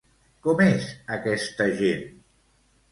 Com és aquesta gent?